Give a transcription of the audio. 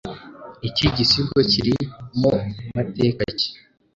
Iki gisigo kiri mo mateka ki ?